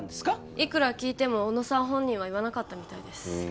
いくら聞いても小野さん本人は言わなかったみたいです